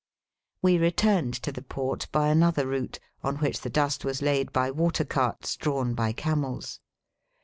We returned to the port by another route, on which the dust was laid by water carts, drawn by camels.